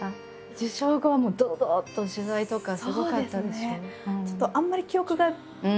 受賞後はもうどどっと取材とかすごかったでしょう？